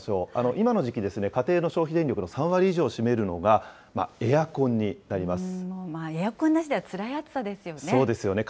今の時期、家庭の消費電力の３割以上を占めるのが、エアコンになエアコンなしではつらい暑さそうですよね。